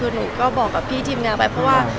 คือหนูก็บอกกับพี่ทีมงานไปเพราะว่า